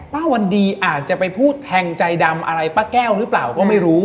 วันดีอาจจะไปพูดแทงใจดำอะไรป้าแก้วหรือเปล่าก็ไม่รู้